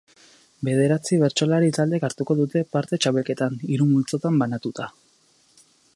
Bederatzi bertsolari taldek hartuko dute parte txapelketan, hiru multzotan banatuta.